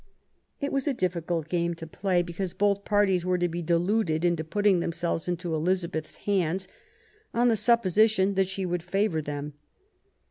It was a difficult game to play, because both parties were to be deluded into putting themselves into Elizabeth's hands, on the supposition that she would favour them.